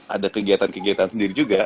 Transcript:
ada kegiatan kegiatan sendiri juga